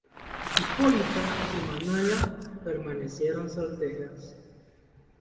Hipólita y Manuela permanecieron solteras.